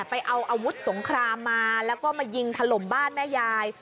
ไปเอาอาวุธสงครามมาแล้วก็มายิงถล่มบ้านแม่ยาย